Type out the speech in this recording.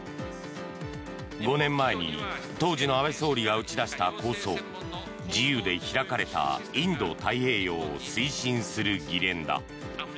５年前に当時の安倍総理が打ち出した構想自由で開かれたインド太平洋を推進する議連だ。